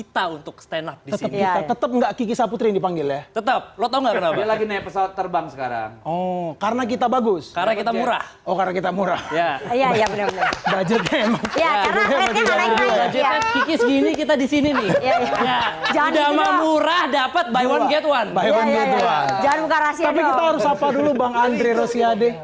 tapi kita harus apa dulu bang andre rosiade